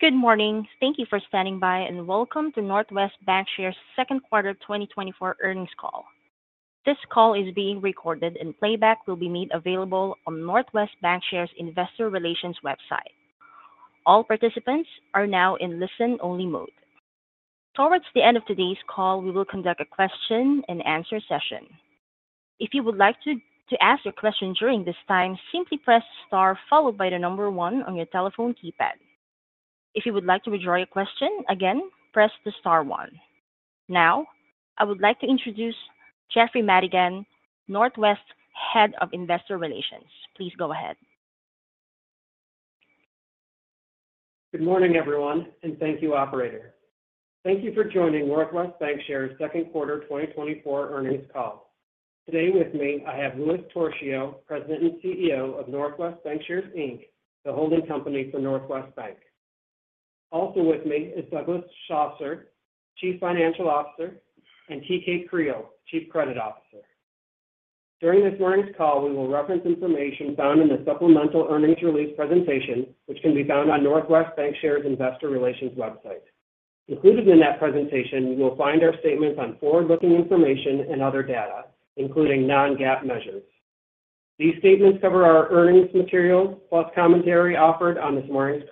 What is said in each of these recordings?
Good morning. Thank you for standing by and welcome to Northwest Bancshares' second quarter 2024 earnings call. This call is being recorded, and playback will be made available on Northwest Bancshares' investor relations website. All participants are now in listen-only mode. Towards the end of today's call, we will conduct a question-and-answer session. If you would like to ask a question during this time, simply press star followed by the number one on your telephone keypad. If you would like to withdraw your question again, press the star one. Now, I would like to introduce Jeffrey Maddigan, Northwest Head of Investor Relations. Please go ahead. Good morning, everyone, and thank you, operator. Thank you for joining Northwest Bancshares' second quarter 2024 earnings call. Today with me, I have Louis Torchio, President and CEO of Northwest Bancshares Inc, the holding company for Northwest Bank. Also with me is Douglas Schosser, Chief Financial Officer, and T.K. Creal, Chief Credit Officer. During this morning's call, we will reference information found in the supplemental earnings release presentation, which can be found on Northwest Bancshares' investor relations website. Included in that presentation, youwill find our statements on forward-looking information and other data, including non-GAAP measures. These statements cover our earnings material, plus commentary offered on this morning's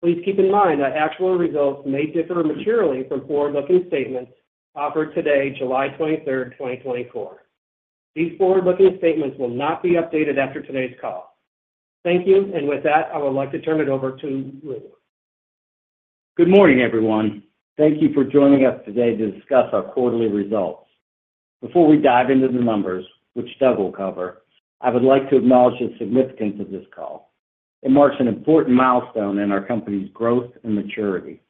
call. Please keep in mind that actual results may differ materially from forward-looking statements offered today, July 23rd, 2024. These forward-looking statements will not be updated after today's call. Thank you, and with that, I would like to turn it over to Lou. Good morning, everyone. Thank you for joining us today to discuss our quarterly results. Before we dive into the numbers, which Doug will cover, I would like to acknowledge the significance of this call. It marks an important milestone in our company's growth and maturity.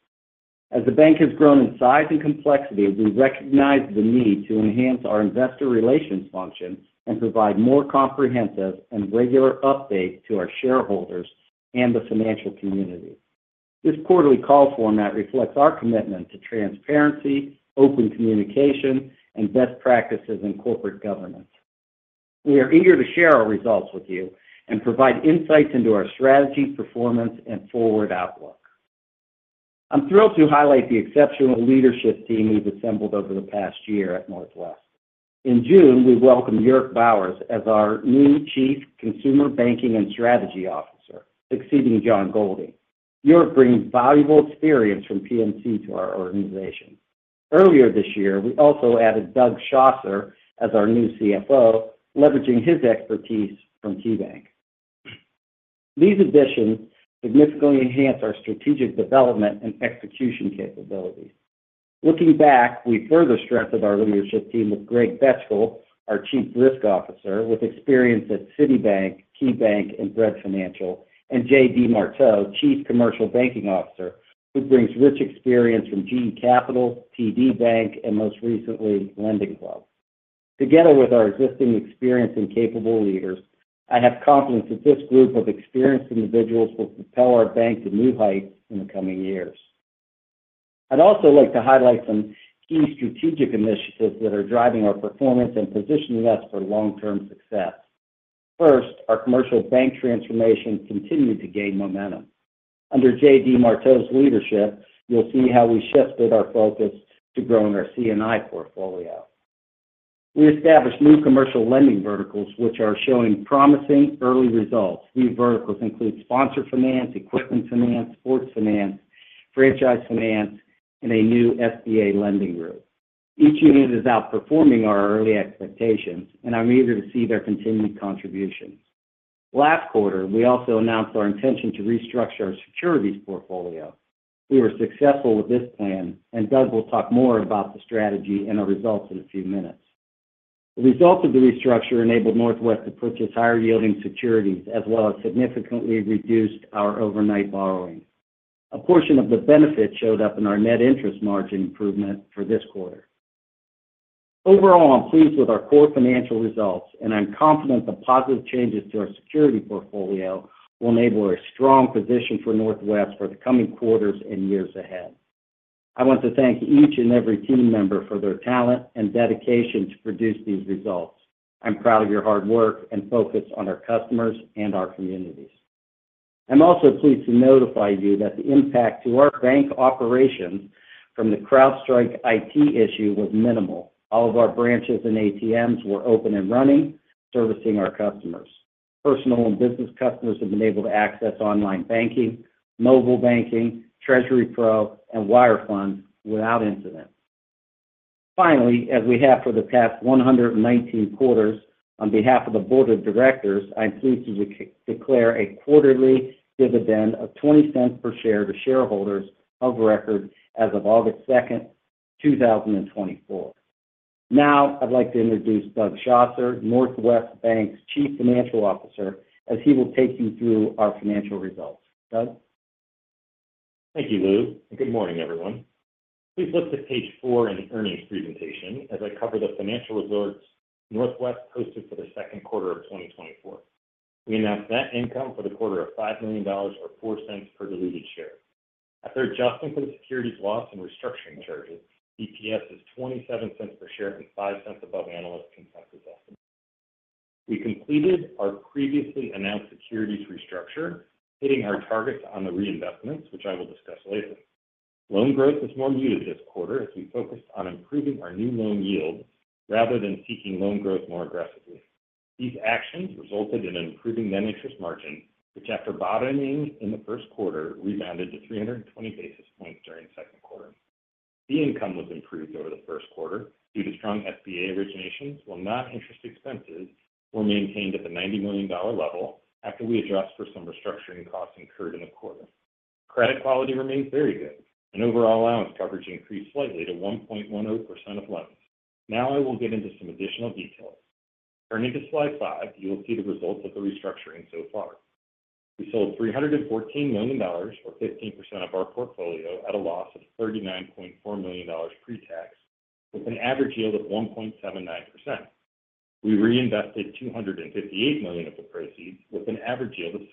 As the bank has grown in size and complexity, we recognize the need to enhance our investor relations function and provide more comprehensive and regular updates to our shareholders and the financial community. This quarterly call format reflects our commitment to transparency, open communication, and best practices in corporate governance. We are eager to share our results with you and provide insights into our strategy, performance, and forward outlook. I'm thrilled to highlight the exceptional leadership team we've assembled over the past year at Northwest. In June, we welcomed Urich Bowers as our new Chief Consumer Banking and Strategy Officer, succeeding John Golding. Urich brings valuable experience from PNC to our organization. Earlier this year, we also added Doug Schosser as our new CFO, leveraging his expertise from KeyBanc. These additions significantly enhance our strategic development and execution capabilities. Looking back, we further strengthened our leadership team with Greg Betchkal, our Chief Risk Officer, with experience at Citibank, KeyBanc, and Bread Financial, and Jay DesMarteau, Chief Commercial Banking Officer, who brings rich experience from GE Capital, TD Bank, and most recently, LendingClub. Together with our existing experienced and capable leaders, I have confidence that this group of experienced individuals will propel our bank to new heights in the coming years. I'd also like to highlight some key strategic initiatives that are driving our performance and positioning us for long-term success. First, our commercial bank transformation continued to gain momentum. Under Jay DesMarteau's leadership, you'll see how we shifted our focus to growing our C&I portfolio. We established new commercial lending verticals, which are showing promising early results. These verticals include sponsor finance, equipment finance, sports finance, franchise finance, and a new SBA lending group. Each unit is outperforming our early expectations, and I'm eager to see their continued contributions. Last quarter, we also announced our intention to restructure our securities portfolio. We were successful with this plan, and Doug will talk more about the strategy and our results in a few minutes. The results of the restructure enabled Northwest to purchase higher-yielding securities, as well as significantly reduced our overnight borrowing. A portion of the benefit showed up in our net interest margin improvement for this quarter. Overall, I'm pleased with our core financial results, and I'm confident the positive changes to our securities portfolio will enable a strong position for Northwest for the coming quarters and years ahead. I want to thank each and every team member for their talent and dedication to produce these results. I'm proud of your hard work and focus on our customers and our communities. I'm also pleased to notify you that the impact to our bank operations from the CrowdStrike IT issue was minimal. All of our branches and ATMs were open and running, servicing our customers. Personal and business customers have been able to access online banking, mobile banking, Treasury Pro, and wire funds without incident. Finally, as we have for the past 119 quarters, on behalf of the Board of Directors, I'm pleased to declare a quarterly dividend of $0.20 per share to shareholders of record as of August 2nd, 2024. Now, I'd like to introduce Doug Schosser, Northwest Bank's Chief Financial Officer, as he will take you through our financial results. Doug? Thank you, Lou. Good morning, everyone. Please look to page four in the earnings presentation as I cover the financial results Northwest posted for the second quarter of 2024. We announced net income for the quarter of $5 million or $0.04 per diluted share. After adjusting for the securities loss and restructuring charges, EPS is $0.27 per share and $0.05 above analyst consensus estimates. We completed our previously announced securities restructure, hitting our targets on the reinvestments, which I will discuss later. Loan growth was more muted this quarter as we focused on improving our new loan yields rather than seeking loan growth more aggressively. These actions resulted in an improving net interest margin, which, after bottoming in the first quarter, rebounded to 320 basis points during the second quarter. The income was improved over the first quarter due to strong SBA originations, while noninterest expenses were maintained at the $90 million level after we adjusted for some restructuring costs incurred in the quarter. Credit quality remains very good, and overall allowance coverage increased slightly to 1.10% of loans. Now, I will get into some additional details. Turning to slide five, you will see the results of the restructuring so far. We sold $314 million, or 15% of our portfolio, at a loss of $39.4 million pre-tax, with an average yield of 1.79%. We reinvested $258 million of the proceeds, with an average yield of 6%.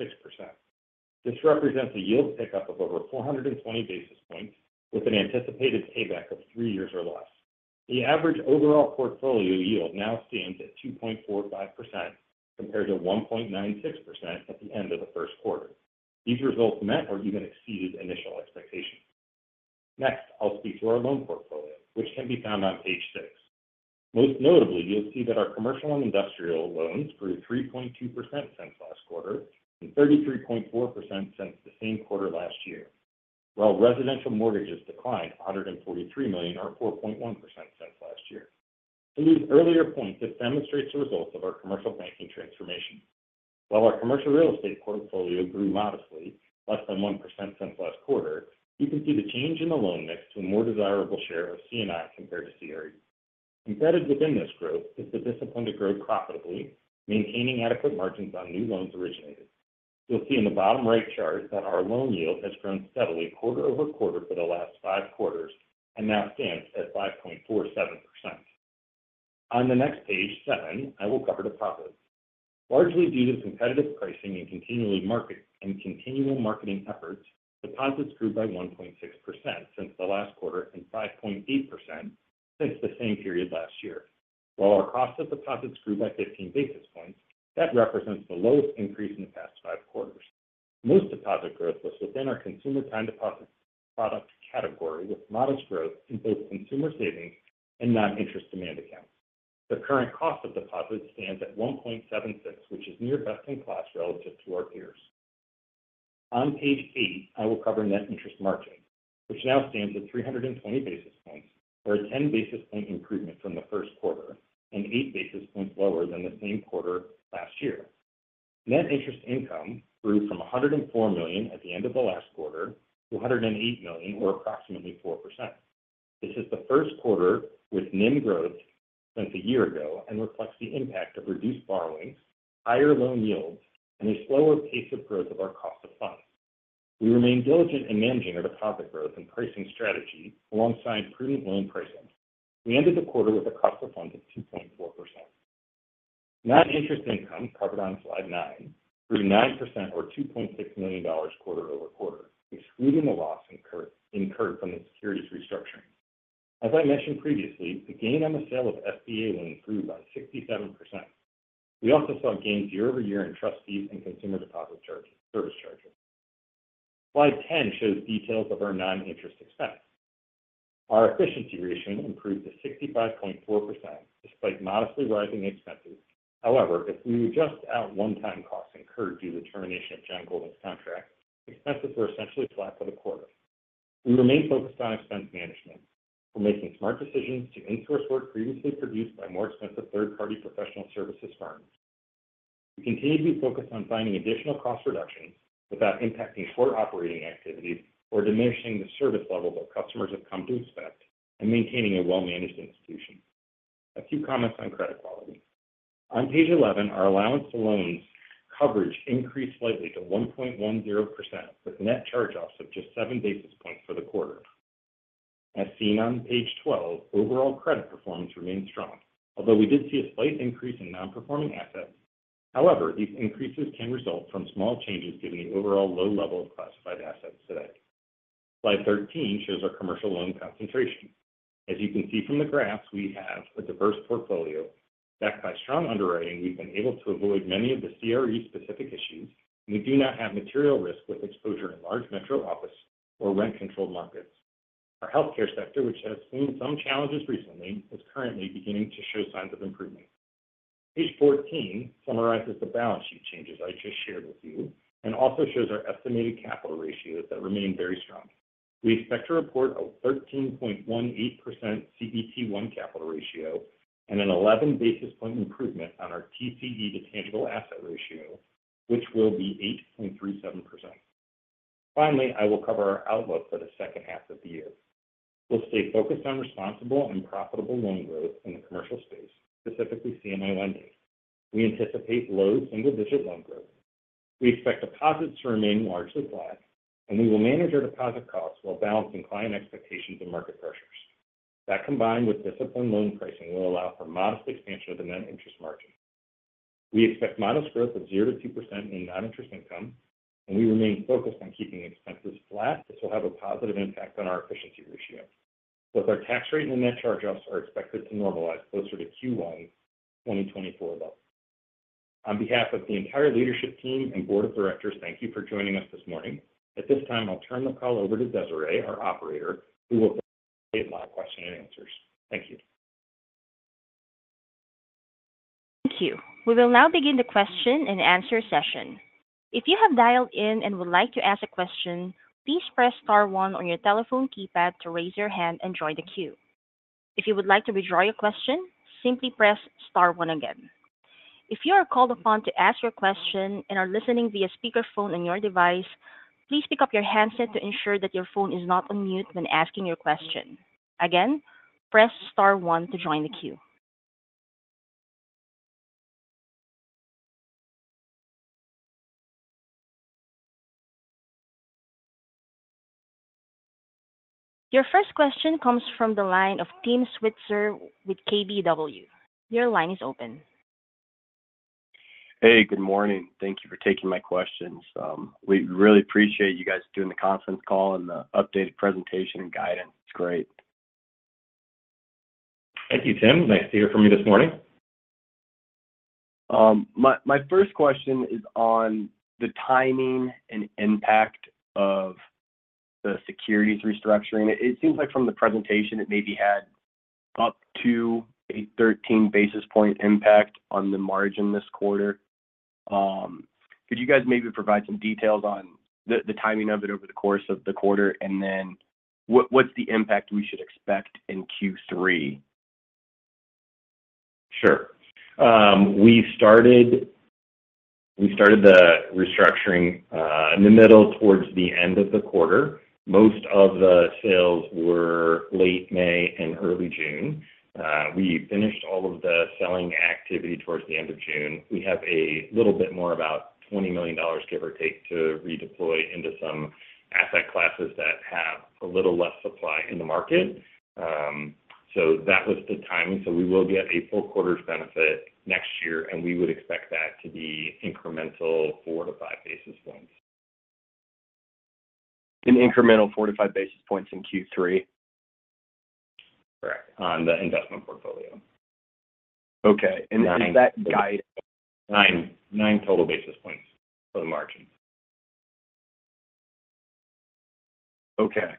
This represents a yield pickup of over 420 basis points, with an anticipated payback of three years or less. The average overall portfolio yield now stands at 2.45% compared to 1.96% at the end of the first quarter. These results met or even exceeded initial expectations. Next, I'll speak to our loan portfolio, which can be found on page six. Most notably, you'll see that our commercial and industrial loans grew 3.2% since last quarter and 33.4% since the same quarter last year, while residential mortgages declined $143 million, or 4.1% since last year. To these earlier points, this demonstrates the results of our commercial banking transformation. While our commercial real estate portfolio grew modestly, less than 1% since last quarter, you can see the change in the loan mix to a more desirable share of C&I compared to CRE. Embedded within this growth is the discipline to grow profitably, maintaining adequate margins on new loans originated. You'll see in the bottom right chart that our loan yield has grown steadily quarter-over-quarter for the last 5 quarters and now stands at 5.47%. On the next page seven, I will cover deposits. Largely due to competitive pricing and continual marketing efforts, deposits grew by 1.6% since the last quarter and 5.8% since the same period last year. While our cost of deposits grew by 15 basis points, that represents the lowest increase in the past 5 quarters. Most deposit growth was within our consumer time deposit product category, with modest growth in both consumer savings and non-interest demand accounts. The current cost of deposits stands at 1.76, which is near best-in-class relative to our peers. On page eight, I will cover net interest margin, which now stands at 320 basis points, or a 10 basis point improvement from the first quarter and 8 basis points lower than the same quarter last year. Net interest income grew from $104 million at the end of the last quarter to $108 million, or approximately 4%. This is the first quarter with NIM growth since a year ago and reflects the impact of reduced borrowings, higher loan yields, and a slower pace of growth of our cost of funds. We remain diligent in managing our deposit growth and pricing strategy alongside prudent loan pricing. We ended the quarter with a cost of funds of 2.4%. Net interest income, covered on slide nine, grew 9%, or $2.6 million quarter-over-quarter, excluding the loss incurred from the securities restructuring. As I mentioned previously, the gain on the sale of SBA loans grew by 67%. We also saw gains year-over-year in trust fees and consumer deposit service charges. Slide 10 shows details of our noninterest expense. Our efficiency ratio improved to 65.4% despite modestly rising expenses. However, if we adjust out one-time costs incurred due to the termination of John Golding's contract, expenses were essentially flat for the quarter. We remained focused on expense management. We're making smart decisions to insource work previously produced by more expensive third-party professional services firms. We continue to be focused on finding additional cost reductions without impacting core operating activities or diminishing the service levels our customers have come to expect and maintaining a well-managed institution. A few comments on credit quality. On page 11, our allowance to loans coverage increased slightly to 1.10% with net charge-offs of just 7 basis points for the quarter. As seen on page 12, overall credit performance remained strong, although we did see a slight increase in non-performing assets. However, these increases can result from small changes given the overall low level of classified assets today. Slide 13 shows our commercial loan concentration. As you can see from the graphs, we have a diverse portfolio. Backed by strong underwriting, we've been able to avoid many of the CRE-specific issues. We do not have material risk with exposure in large metro office or rent-controlled markets. Our healthcare sector, which has seen some challenges recently, is currently beginning to show signs of improvement. Page 14 summarizes the balance sheet changes I just shared with you and also shows our estimated capital ratios that remain very strong. We expect to report a 13.18% CET1 capital ratio and an 11 basis point improvement on our TCE to tangible asset ratio, which will be 8.37%. Finally, I will cover our outlook for the second half of the year. We'll stay focused on responsible and profitable loan growth in the commercial space, specifically C&I lending. We anticipate low single-digit loan growth. We expect deposits to remain largely flat, and we will manage our deposit costs while balancing client expectations and market pressures. That combined with disciplined loan pricing will allow for modest expansion of the net interest margin. We expect modest growth of 0%-2% in non-interest income, and we remain focused on keeping expenses flat. This will have a positive impact on our efficiency ratio. Both our tax rate and net charge-offs are expected to normalize closer to Q1 2024 levels. On behalf of the entire leadership team and Board of Directors, thank you for joining us this morning. At this time, I'll turn the call over to Desiree, our operator, who will facilitate my question and answers. Thank you. Thank you. We will now begin the question-and answer session. If you have dialed in and would like to ask a question, please press star one on your telephone keypad to raise your hand and join the queue. If you would like to withdraw your question, simply press star one again. If you are called upon to ask your question and are listening via speakerphone on your device, please pick up your handset to ensure that your phone is not on mute when asking your question. Again, press star one to join the queue. Your first question comes from the line of Tim Switzer with KBW. Your line is open. Hey, good morning. Thank you for taking my questions. We really appreciate you guys doing the conference call and the updated presentation and guidance. It's great. Thank you, Tim. Nice to hear from you this morning. My first question is on the timing and impact of the securities restructuring. It seems like from the presentation, it maybe had up to a 13 basis point impact on the margin this quarter. Could you guys maybe provide some details on the timing of it over the course of the quarter, and then what's the impact we should expect in Q3? Sure. We started the restructuring in the middle towards the end of the quarter. Most of the sales were late May and early June. We finished all of the selling activity towards the end of June. We have a little bit more about $20 million, give or take, to redeploy into some asset classes that have a little less supply in the market. So that was the timing. So we will get a full quarter's benefit next year, and we would expect that to be incremental 4-5 basis points. An incremental 4-5 basis points in Q3? Correct. On the investment portfolio. Okay. And is that guidance? 9 total basis points for the margin. Okay.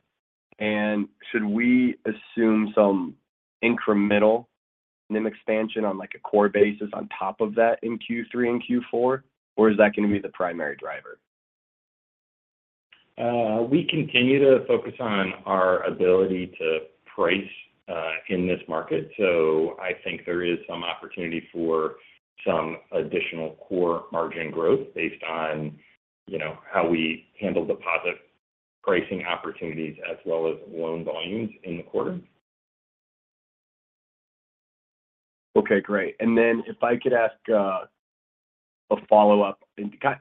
And should we assume some incremental NIM expansion on a core basis on top of that in Q3 and Q4, or is that going to be the primary driver? We continue to focus on our ability to price in this market. I think there is some opportunity for some additional core margin growth based on how we handle deposit pricing opportunities as well as loan volumes in the quarter. Okay. Great. And then if I could ask a follow-up,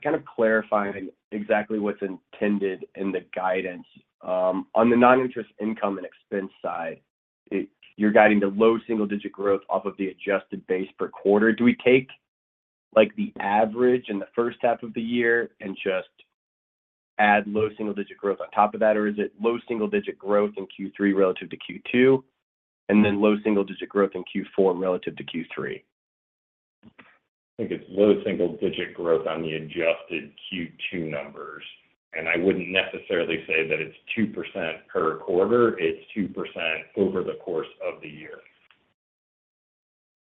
kind of clarifying exactly what's intended in the guidance. On the non-interest income and expense side, you're guiding to low single-digit growth off of the adjusted base per quarter. Do we take the average in the first half of the year and just add low single-digit growth on top of that, or is it low single-digit growth in Q3 relative to Q2, and then low single-digit growth in Q4 relative to Q3? I think it's low single-digit growth on the adjusted Q2 numbers. I wouldn't necessarily say that it's 2% per quarter. It's 2% over the course of the year.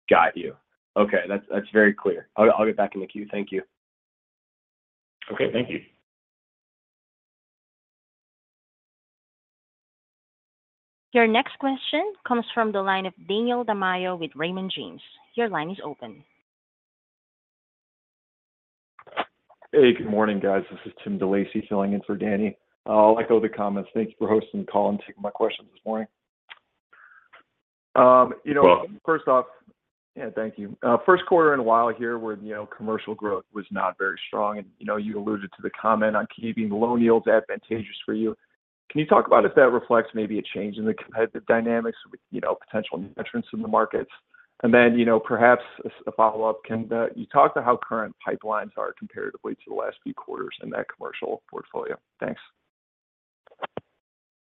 Got you. Okay. That's very clear. I'll get back in the queue. Thank you. Okay. Thank you. Your next question comes from the line of Daniel Tamayo with Raymond James. Your line is open. Hey, good morning, guys. This is Tim DeLacey filling in for Danny. I'll echo the comments. Thank you for hosting the call and taking my questions this morning. First off, yeah, thank you. First quarter in a while here where commercial growth was not very strong, and you alluded to the comment on keeping loan yields advantageous for you. Can you talk about if that reflects maybe a change in the competitive dynamics with potential entrants in the markets? And then perhaps a follow-up, can you talk to how current pipelines are comparatively to the last few quarters in that commercial portfolio? Thanks.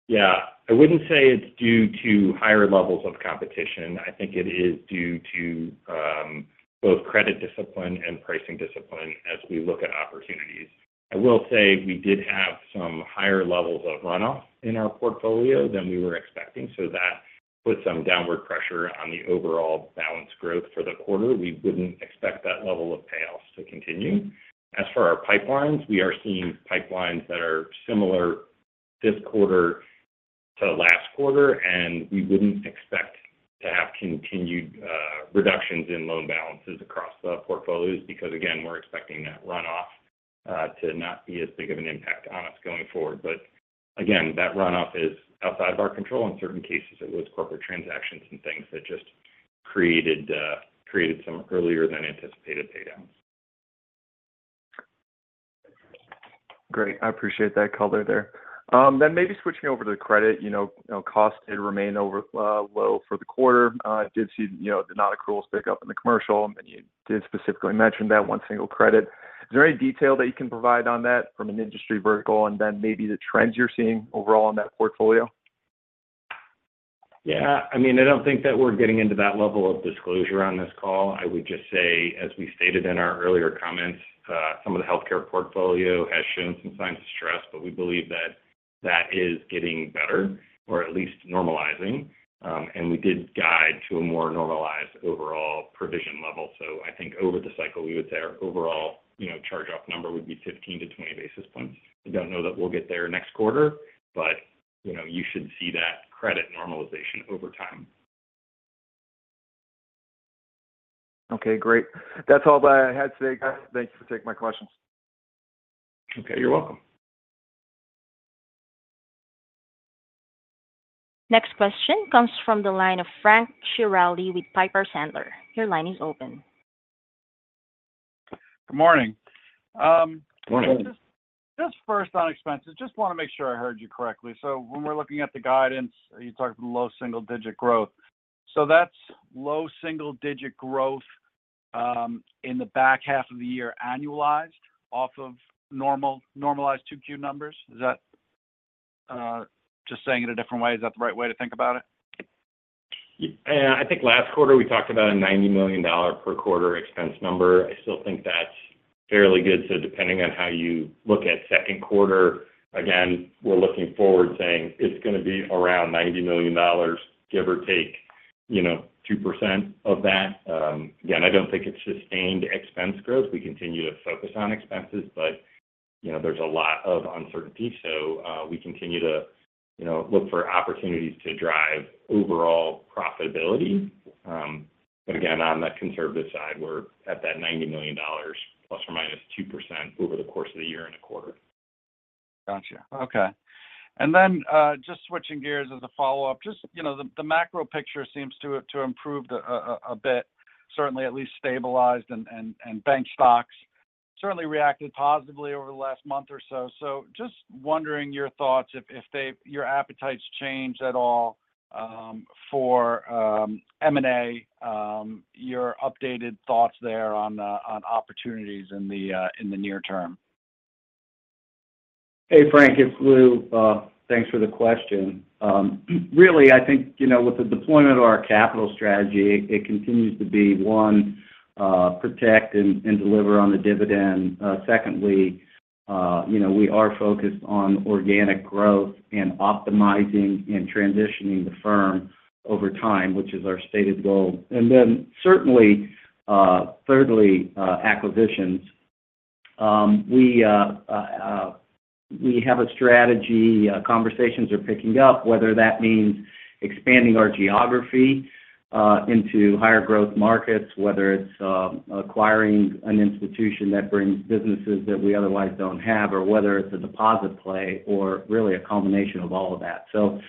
Yeah. I wouldn't say it's due to higher levels of competition. I think it is due to both credit discipline and pricing discipline as we look at opportunities. I will say we did have some higher levels of runoff in our portfolio than we were expecting. So that puts some downward pressure on the overall balance growth for the quarter. We wouldn't expect that level of payoffs to continue. As for our pipelines, we are seeing pipelines that are similar this quarter to last quarter, and we wouldn't expect to have continued reductions in loan balances across the portfolios because, again, we're expecting that runoff to not be as big of an impact on us going forward. But again, that runoff is outside of our control. In certain cases, it was corporate transactions and things that just created some earlier-than-anticipated paydowns. Great. I appreciate that color there. Then maybe switching over to the credit cost. Did remain low for the quarter. Did see the nonaccruals pick up in the commercial, and you did specifically mention that one single credit. Is there any detail that you can provide on that from an industry vertical and then maybe the trends you're seeing overall in that portfolio? Yeah. I mean, I don't think that we're getting into that level of disclosure on this call. I would just say, as we stated in our earlier comments, some of the healthcare portfolio has shown some signs of stress, but we believe that that is getting better or at least normalizing. We did guide to a more normalized overall provision level. I think over the cycle, we would say our overall charge-off number would be 15-20 basis points. I don't know that we'll get there next quarter, but you should see that credit normalization over time. Okay. Great. That's all that I had today, guys. Thank you for taking my questions. Okay. You're welcome. Next question comes from the line of Frank Schiraldi with Piper Sandler. Your line is open. Good morning. Good morning. Just first on expenses, just want to make sure I heard you correctly. So when we're looking at the guidance, you talked about low single-digit growth. So that's low single-digit growth in the back half of the year annualized off of normalized 2Q numbers. Just saying it a different way, is that the right way to think about it? Yeah. I think last quarter we talked about a $90 million per quarter expense number. I still think that's fairly good. So depending on how you look at second quarter, again, we're looking forward saying it's going to be around $90 million, give or take 2% of that. Again, I don't think it's sustained expense growth. We continue to focus on expenses, but there's a lot of uncertainty. So we continue to look for opportunities to drive overall profitability. But again, on the conservative side, we're at that $90 million ±2% over the course of the year and a quarter. Gotcha. Okay. And then just switching gears as a follow-up, just the macro picture seems to have improved a bit, certainly at least stabilized, and bank stocks certainly reacted positively over the last month or so. So just wondering your thoughts if your appetites changed at all for M&A, your updated thoughts there on opportunities in the near-term? Hey, Frank, it's Lou. Thanks for the question. Really, I think with the deployment of our capital strategy, it continues to be, one, protect and deliver on the dividend. Secondly, we are focused on organic growth and optimizing and transitioning the firm over time, which is our stated goal. And then certainly, thirdly, acquisitions. We have a strategy. Conversations are picking up, whether that means expanding our geography into higher growth markets, whether it's acquiring an institution that brings businesses that we otherwise don't have, or whether it's a deposit play or really a combination of all of that. So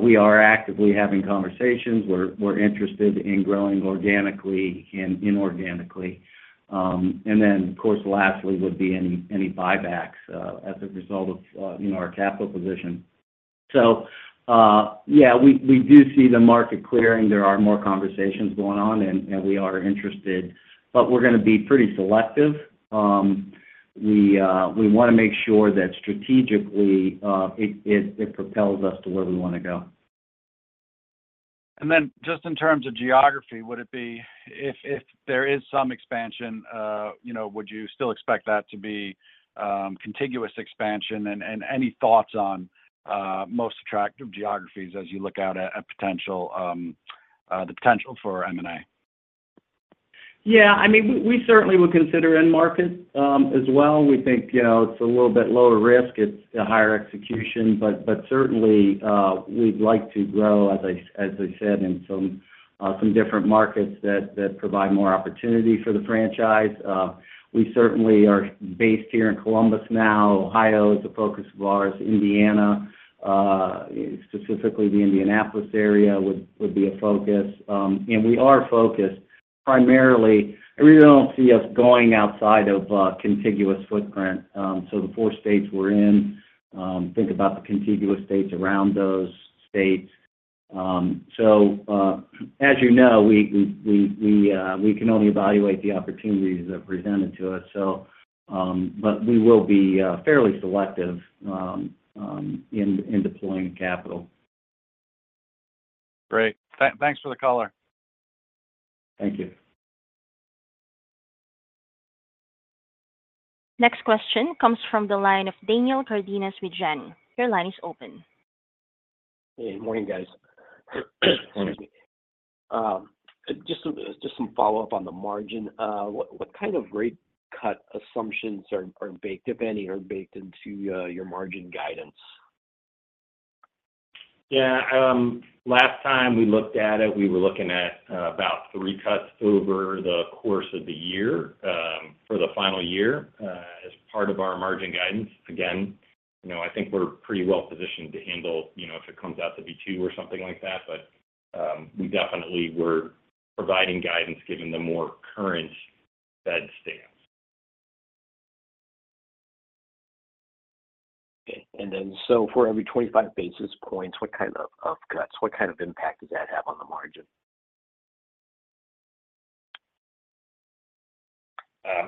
we are actively having conversations. We're interested in growing organically and inorganically. And then, of course, lastly would be any buybacks as a result of our capital position. So yeah, we do see the market clearing. There are more conversations going on, and we are interested, but we're going to be pretty selective. We want to make sure that strategically it propels us to where we want to go. And then just in terms of geography, would it be if there is some expansion, would you still expect that to be contiguous expansion? And any thoughts on most attractive geographies as you look out at the potential for M&A? Yeah. I mean, we certainly will consider in-markets as well. We think it's a little bit lower risk. It's a higher execution. But certainly, we'd like to grow, as I said, in some different markets that provide more opportunity for the franchise. We certainly are based here in Columbus now. Ohio is a focus of ours. Indiana, specifically the Indianapolis area, would be a focus. And we are focused primarily. I really don't see us going outside of contiguous footprint. So the four states we're in, think about the contiguous states around those states. So as you know, we can only evaluate the opportunities that are presented to us. But we will be fairly selective in deploying capital. Great. Thanks for the color. Thank you. Next question comes from the line of Daniel Cardenas with Janney. Your line is open. Hey, good morning, guys. Just some follow-up on the margin. What kind of rate cut assumptions are baked, if any, are baked into your margin guidance? Yeah. Last time we looked at it, we were looking at about three cuts over the course of the year for the final year as part of our margin guidance. Again, I think we're pretty well positioned to handle if it comes out to be two or something like that. But we definitely were providing guidance given the more current Fed stance. Okay. For every 25 basis points, what kind of cuts, what kind of impact does that have on the margin?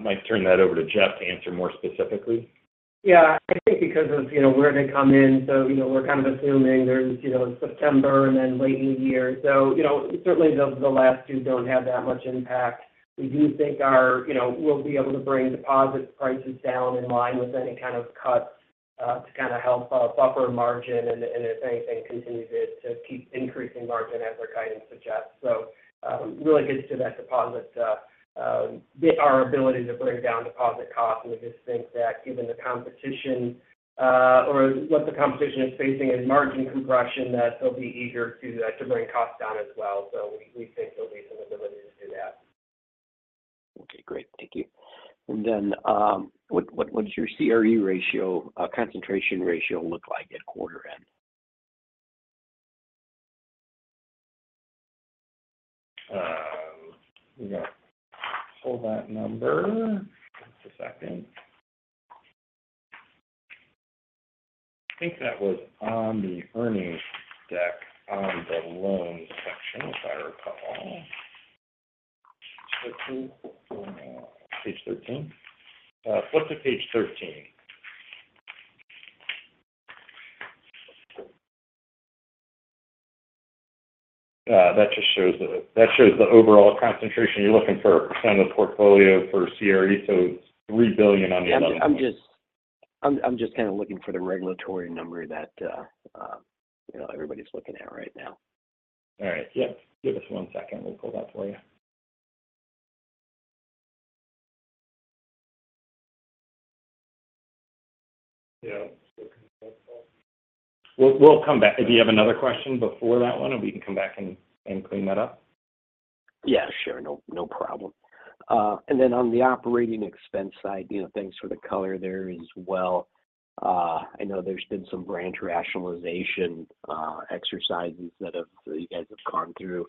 Might turn that over to Jeff to answer more specifically. Yeah. I think because of where they come in. So we're kind of assuming there's September and then late in the year. So certainly, the last two don't have that much impact. We do think we'll be able to bring deposit prices down in line with any kind of cuts to kind of help buffer margin and, if anything, continue to keep increasing margin as our guidance suggests. So really gets to that deposit beta our ability to bring down deposit costs. And we just think that given the competition or what the competition is facing in margin compression, that they'll be eager to bring costs down as well. So we think there'll be some ability to do that. Okay. Great. Thank you. And then what does your CRE ratio, concentration ratio look like at quarter end? Hold that number. Just a second. I think that was on the earnings deck on the loan section, if I recall. Page 13. Flip to page 13. That just shows the overall concentration. You're looking for a percent of the portfolio for CRE. So it's $3 billion on the loan. Yeah. I'm just kind of looking for the regulatory number that everybody's looking at right now. All right. Yep. Give us one second. We'll pull that for you. Yeah. We'll come back. If you have another question before that one, we can come back and clean that up. Yeah. Sure. No problem. And then on the operating expense side, thanks for the color there as well. I know there's been some branch rationalization exercises that you guys have gone through.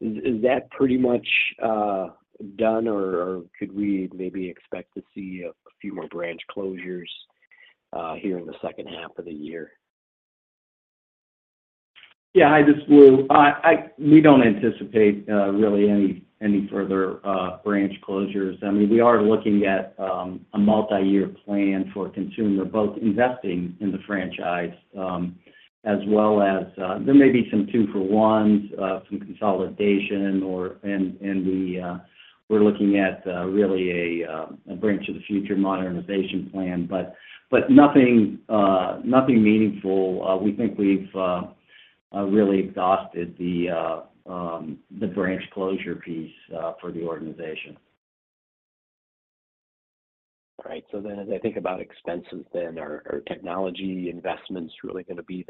Is that pretty much done, or could we maybe expect to see a few more branch closures here in the second half of the year? Yeah. Hi, this is Lou. We don't anticipate really any further branch closures. I mean, we are looking at a multi-year plan for consumer both investing in the franchise as well as there may be some two-for-ones, some consolidation. And we're looking at really a branch of the future modernization plan, but nothing meaningful. We think we've really exhausted the branch closure piece for the organization. All right. So then as I think about expenses then, are technology investments really going to be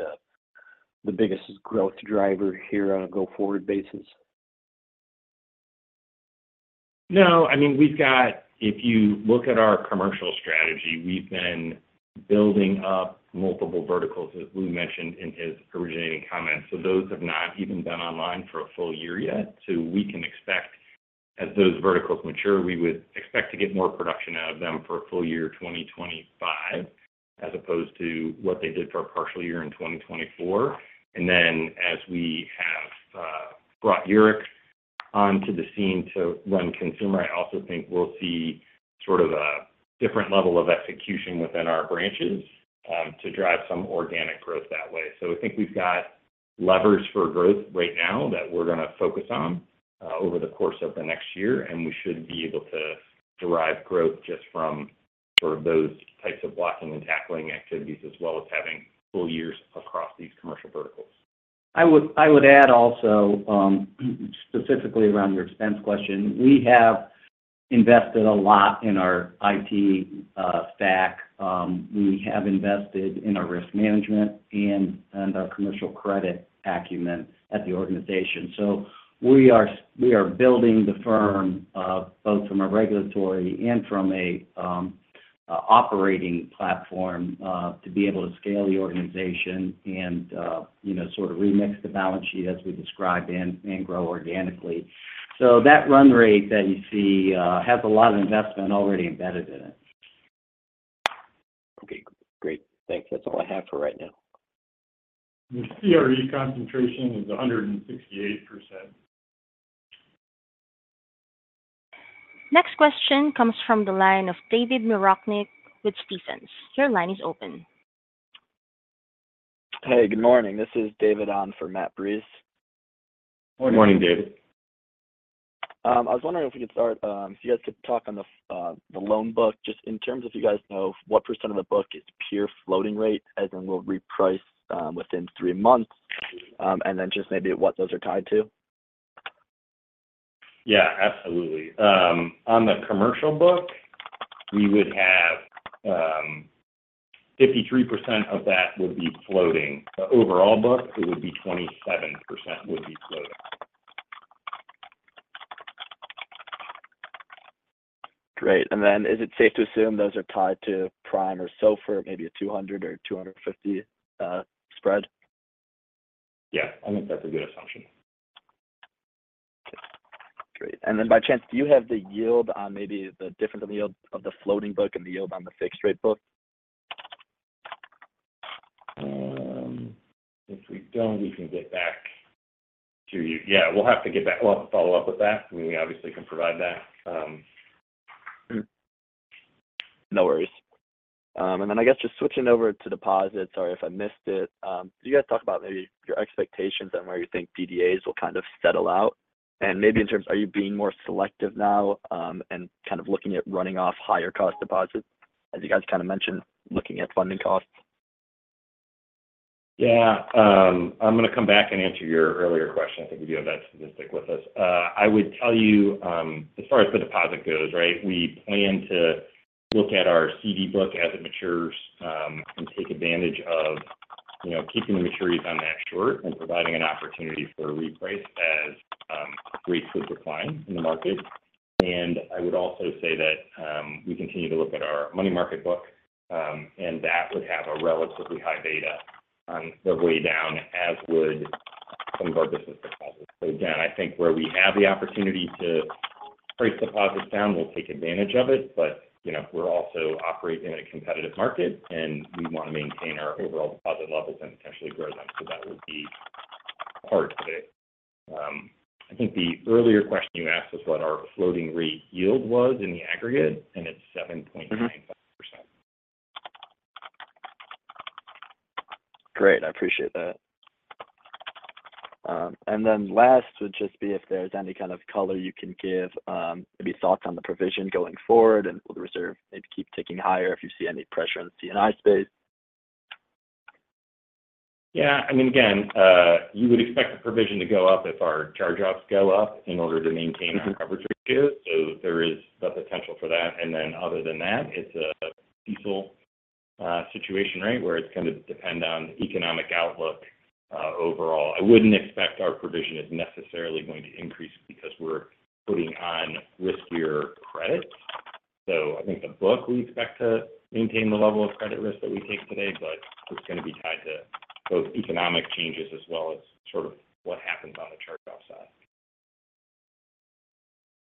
the biggest growth driver here on a go-forward basis? No. I mean, we've got, if you look at our commercial strategy, we've been building up multiple verticals that Lou mentioned in his opening comments. So those have not even been online for a full year yet. So we can expect as those verticals mature, we would expect to get more production out of them for a full year 2025 as opposed to what they did for a partial year in 2024. And then as we have brought Urich onto the scene to run consumer, I also think we'll see sort of a different level of execution within our branches to drive some organic growth that way. So I think we've got levers for growth right now that we're going to focus on over the course of the next year. We should be able to derive growth just from sort of those types of blocking and tackling activities as well as having full years across these commercial verticals. I would add also specifically around your expense question, we have invested a lot in our IT stack. We have invested in our risk management and our commercial credit acumen at the organization. We are building the firm both from a regulatory and from an operating platform to be able to scale the organization and sort of remix the balance sheet as we described and grow organically. That run rate that you see has a lot of investment already embedded in it. Okay. Great. Thanks. That's all I have for right now. The CRE concentration is 168%. Next question comes from the line of David Mirochnick with Stephens. Your line is open. Hey, good morning. This is David on for Matt Breese. Morning, David. I was wondering if we could start so you guys could talk on the loan book just in terms of you guys know what percent of the book is pure floating rate as in we'll reprice within three months and then just maybe what those are tied to? Yeah. Absolutely. On the commercial book, we would have 53% of that would be floating. The overall book, it would be 27% would be floating. Great. And then is it safe to assume those are tied to prime or so for maybe a 200 or 250 spread? Yeah. I think that's a good assumption. Okay. Great. And then by chance, do you have the yield on maybe the difference in the yield of the floating book and the yield on the fixed rate book? If we don't, we can get back to you. Yeah. We'll have to get back. We'll have to follow up with that. I mean, we obviously can provide that. No worries. Then I guess just switching over to deposits, sorry if I missed it. You guys talk about maybe your expectations on where you think DDAs will kind of settle out? And maybe in terms, are you being more selective now and kind of looking at running off higher-cost deposits as you guys kind of mentioned looking at funding costs? Yeah. I'm going to come back and answer your earlier question. I think you do have that statistic with us. I would tell you as far as the deposit goes, right, we plan to look at our CD book as it matures and take advantage of keeping the maturities on that short and providing an opportunity for reprice as rates would decline in the market. And I would also say that we continue to look at our money market book, and that would have a relatively high beta on the way down as would some of our business deposits. So again, I think where we have the opportunity to price deposits down, we'll take advantage of it. But we're also operating in a competitive market, and we want to maintain our overall deposit levels and potentially grow them. So that would be part of it. I think the earlier question you asked was what our floating rate yield was in the aggregate, and it's 7.95%. Great. I appreciate that. And then last would just be if there's any kind of color you can give, maybe thoughts on the provision going forward and will the reserve maybe keep ticking higher if you see any pressure in the C&I space? Yeah. I mean, again, you would expect the provision to go up if our charge-offs go up in order to maintain our coverage ratio. So there is the potential for that. And then other than that, it's a peaceful situation, right, where it's going to depend on economic outlook overall. I wouldn't expect our provision is necessarily going to increase because we're putting on riskier credit. So I think the book we expect to maintain the level of credit risk that we take today, but it's going to be tied to both economic changes as well as sort of what happens on the charge-off side.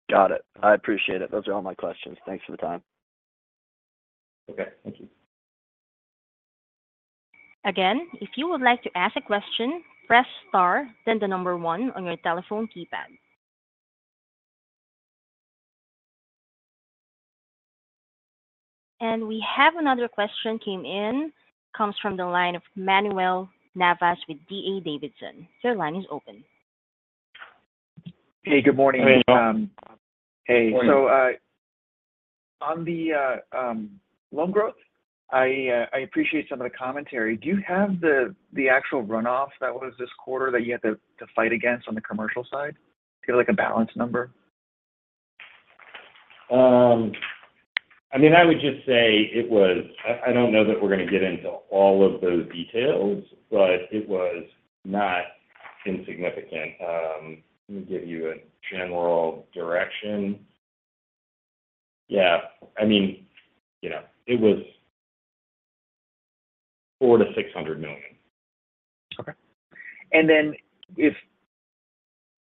Got it. I appreciate it. Those are all my questions. Thanks for the time. Okay. Thank you. Again, if you would like to ask a question, press star, then the number one on your telephone keypad. We have another question came in. Comes from the line of Manuel Navas with D.A. Davidson. Your line is open. Hey, good morning. Hey, Manuel. Hey. Morning. On the loan growth, I appreciate some of the commentary. Do you have the actual runoff that was this quarter that you had to fight against on the commercial side? Do you have a balance number? I mean, I would just say it was, I don't know that we're going to get into all of those details, but it was not insignificant. Let me give you a general direction. Yeah. I mean, it was $400 million-$600 million. Okay. And then if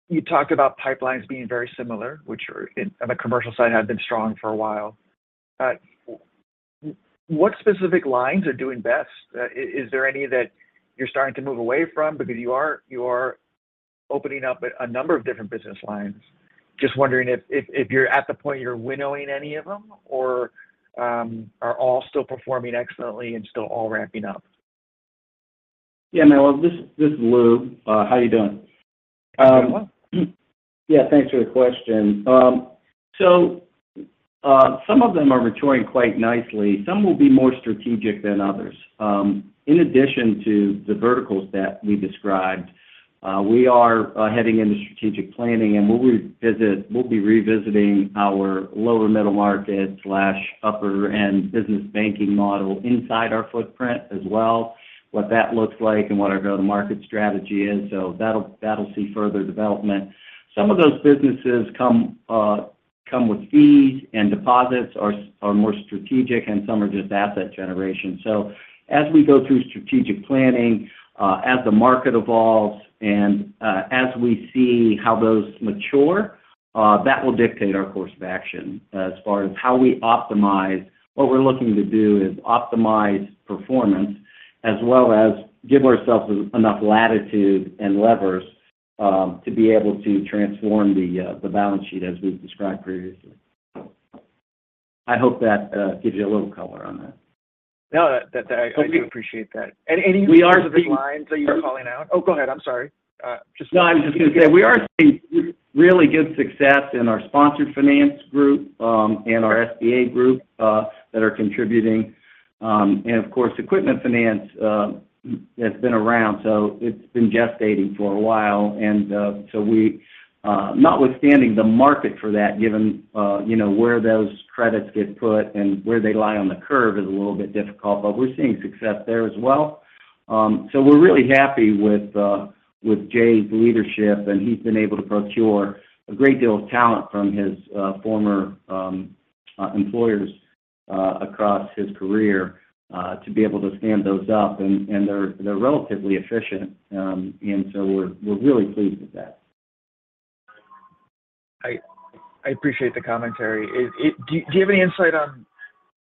you talk about pipelines being very similar, which on the commercial side have been strong for a while, what specific lines are doing best? Is there any that you're starting to move away from because you are opening up a number of different business lines? Just wondering if you're at the point you're winnowing any of them or are all still performing excellently and still all ramping up? Yeah. This is Lou. How are you doing? Doing well. Yeah. Thanks for the question. So some of them are maturing quite nicely. Some will be more strategic than others. In addition to the verticals that we described, we are heading into strategic planning, and we'll be revisiting our lower middle market/upper-end business banking model inside our footprint as well, what that looks like and what our go-to-market strategy is. So that'll see further development. Some of those businesses come with fees and deposits are more strategic, and some are just asset generation. So as we go through strategic planning, as the market evolves and as we see how those mature, that will dictate our course of action as far as how we optimize. What we're looking to do is optimize performance as well as give ourselves enough latitude and levers to be able to transform the balance sheet as we've described previously. I hope that gives you a little color on that. No, I do appreciate that. Any specific lines that you're calling out? Oh, go ahead. I'm sorry. Just. No, I was just going to say we are seeing really good success in our sponsored finance group and our SBA group that are contributing. And of course, equipment finance has been around, so it's been gestating for a while. And so notwithstanding the market for that, given where those credits get put and where they lie on the curve is a little bit difficult, but we're seeing success there as well. So we're really happy with Jay's leadership, and he's been able to procure a great deal of talent from his former employers across his career to be able to stand those up. And they're relatively efficient, and so we're really pleased with that. I appreciate the commentary. Do you have any insight on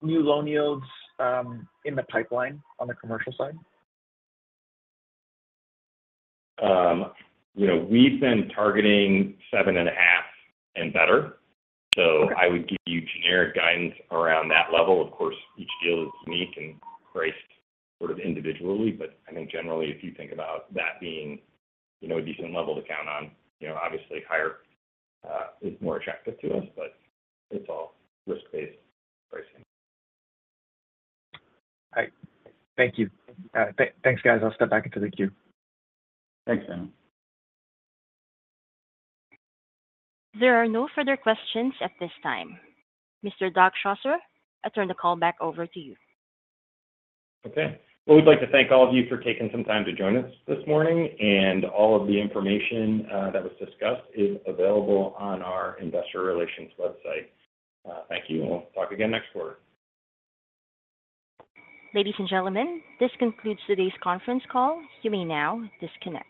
new loan yields in the pipeline on the commercial side? We've been targeting 7.5 and better. So I would give you generic guidance around that level. Of course, each deal is unique and priced sort of individually, but I think generally if you think about that being a decent level to count on, obviously higher is more attractive to us, but it's all risk-based pricing. All right. Thank you. Thanks, guys. I'll step back into the queue. Thanks, Manuel. There are no further questions at this time. Mr. Doug Schosser, I turn the call back over to you. Okay. Well, we'd like to thank all of you for taking some time to join us this morning. All of the information that was discussed is available on our investor relations website. Thank you. We'll talk again next quarter. Ladies and gentlemen, this concludes today's conference call. You may now disconnect.